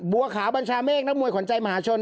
บัวขาวบัญชาเมฆนักมวยขวัญใจมหาชน